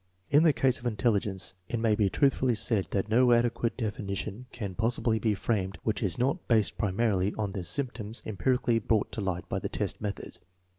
In the case of in telligence it may be truthfully said that no adequate defi nition can possibly be framed which is not based primarily on tho symptoms empirically brought to light by the test method.